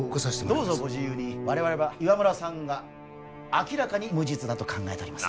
どうぞご自由に我々は岩村さんが明らかに無実だと考えてます